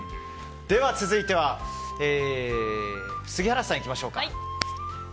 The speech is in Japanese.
続いては杉原さんいきましょうか。